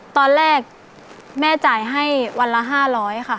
ตอนแรกแม่จ่ายให้วันละ๕๐๐ค่ะ